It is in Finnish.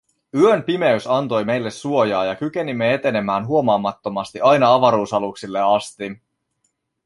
Yön pimeys antoi meille suojaa ja kykenimme etenemään huomaamattomasti aina avaruusaluksille asti.